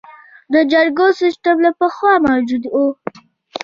د جرګو سیسټم له پخوا موجود و